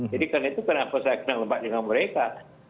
jadi karena itu kenapa saya kenal dengan mereka